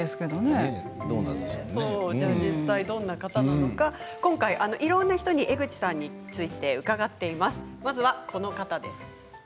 実際どんな方なのか今回いろいろな人に江口さんについて伺っています。